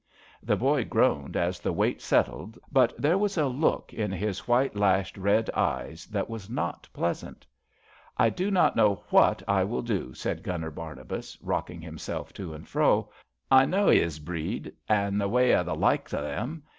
The boy groaned as the weight settled, but there was a look in his white lashed, red eyes that was not pleasant. I do not know what I will do," said Gunner Barnabas, rocking himself to and fro. I know 'is breed, an' the way o' the likes o' them.